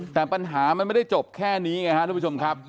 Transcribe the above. แต่ปัญหามันไม่ได้จบแค่นี้ไงครับทุกผู้ชมครับ